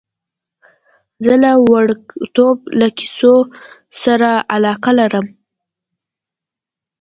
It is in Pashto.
زه له وړکتوبه له کیسو سره علاقه لرم.